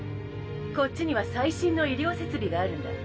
こっちには最新の医療設備があるんだ。